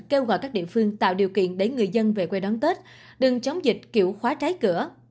kêu gọi các địa phương tạo điều kiện để người dân về quê đón tết đừng chống dịch kiểu khóa trái cửa